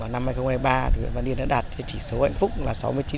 năm hai nghìn hai mươi ba huyện văn yên đã đạt chỉ số hạnh phúc là sáu nghìn chín trăm linh bốn